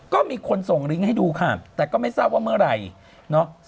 ก็มีคนส่งลิงก์ให้ดูค่ะแต่ก็ไม่ทราบว่าเมื่อไหร่เนอะ